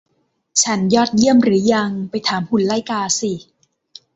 ฉันยอดเยี่ยมหรือยัง ไปถามหุ่นไล่กาสิ